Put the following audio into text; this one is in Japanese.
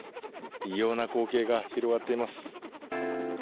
異様な光景が広がっています。